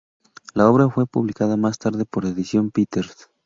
La obra fue publicada más tarde por Edición Peters.